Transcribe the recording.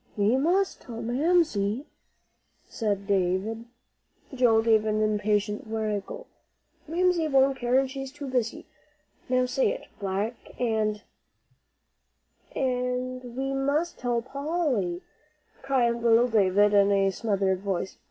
"We must tell Mamsie," said David. Joel gave an impatient wriggle. "Mamsie won't care, and she's too busy. Now say it, 'black and "' "And we must tell Polly," cried little Davie, in a smothered voice.